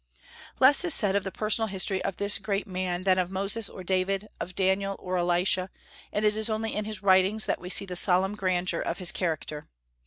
Less is said of the personal history of this great man than of Moses or David, of Daniel or Elisha, and it is only in his writings that we see the solemn grandeur of his character.